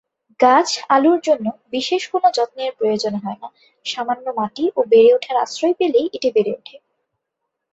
গাছ আলুর জন্য বিশেষ কোনো যত্নের প্রয়োজন হয়না; সামান্য মাটি ও বেড়ে ওঠার আশ্রয় পেলেই এটি বেড়ে ওঠে।